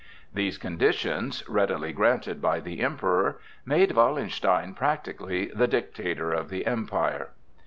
These conditions, readily granted by the Emperor, made Wallenstein practically the Dictator of the Empire.